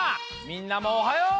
みんなもおはよう！